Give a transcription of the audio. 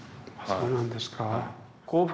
そうなんですか。